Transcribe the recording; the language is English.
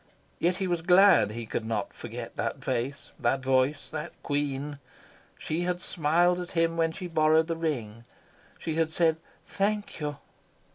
Yet he was glad he could not forget that face, that voice that queen. She had smiled at him when she borrowed the ring. She had said "Thank you."